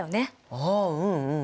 あうんうんうん。